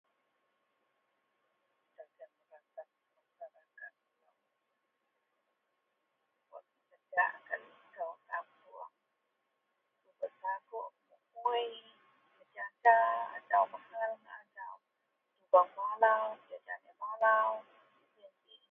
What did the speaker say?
Dagen maseraket - maseraket melou, wak kerja a gak likou a kapuong, subet sagok, muui, pejaja, ajau mahal ngak ajau, tubeng balau, pejaja aneak balau. Yen ji